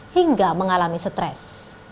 hingga mengalami stres